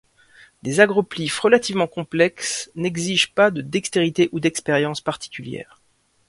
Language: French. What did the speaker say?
Des agroplyphes relativement complexes n'exigent pas de dextérité ou d'expérience particulière.